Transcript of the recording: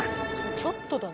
ちょっとだな。